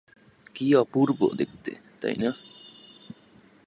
কী অপূর্ব দেখতে, তাই না?